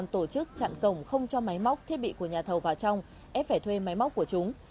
tổ chức chặn cổng không cho máy móc thiết bị của nhà thầu vào trong ép phải thuê máy móc của chúng